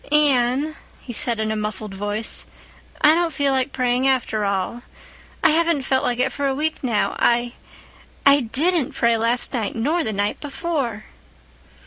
"Anne," he said in a muffled voice. "I don't feel like praying after all. I haven't felt like it for a week now. I—I didnt't pray last night nor the night before."